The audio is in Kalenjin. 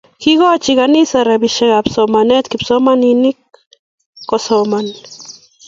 Kikachi kaniset rabisiek ab somanet kipsomanik kosoman